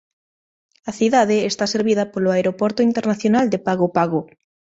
A cidade está servida polo Aeroporto Internacional de Pago Pago.